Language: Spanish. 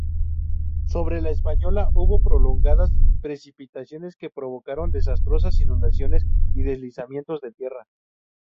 Sobre la Española hubo prolongadas precipitaciones que provocaron desastrosas inundaciones y deslizamientos de tierra.